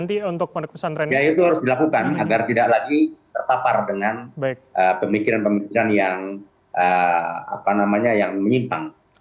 biaya itu harus dilakukan agar tidak lagi terpapar dengan pemikiran pemikiran yang menyimpang